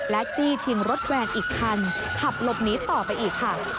จี้ชิงรถแวนอีกคันขับหลบหนีต่อไปอีกค่ะ